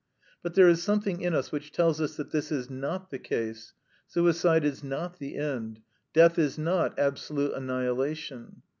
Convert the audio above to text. But there is something in us which tells us that this is not the case: suicide is not the end; death is not absolute annihilation.